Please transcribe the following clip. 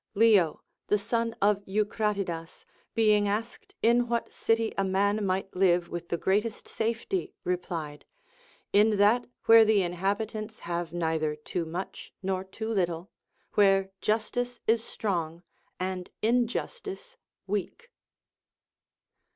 Leo the son of Eucratidas, being asked in what city a man might live with the greatest safety, replied, In that where the inhabitants have neither too much nor too little ; where justice is strong and injustice weak.